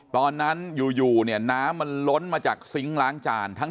ตอนนั้นอยู่เนี่ยน้ำมันล้นมาจากซิงค์ล้างจาน